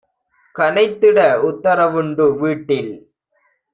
கனைத்திட உத்தர வுண்டு - வீட்டில்